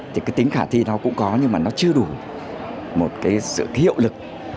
thì cái tính khả thi đó cũng có nhưng mà nó chưa đủ một cái sự hiệu lực